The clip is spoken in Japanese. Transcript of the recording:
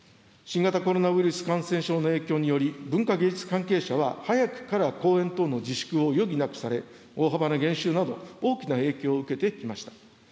新型コロナウイルス感染症の影響により、文化芸術関係者においては、早くから公演等の自粛を余儀なくされ、大幅な減収など、大きな影響を受けてきました。